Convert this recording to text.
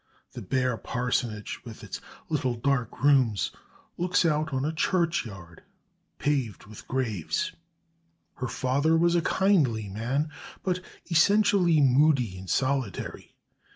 The bare parsonage, with its little dark rooms, looks out on a churchyard paved with graves. Her father was a kindly man, but essentially moody and solitary.